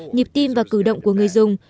nhịp tim và cử động của người dùng